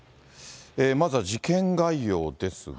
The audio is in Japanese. まずは事件概要ですが。